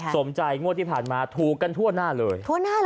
สมใจงวดที่ผ่านมาถูกกันทั่วหน้าเลย